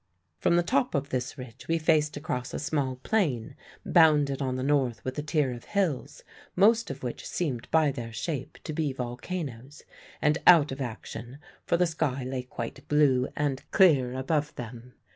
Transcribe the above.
"From the top of this ridge we faced across a small plain bounded on the north with a tier of hills, most of which seemed by their shape to be volcanoes, and out of action for the sky lay quite blue and clear above them.